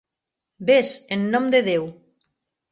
Ves, en nom de Déu!